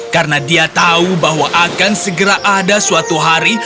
karena dia tahu bahwa akan segera ada suatu hari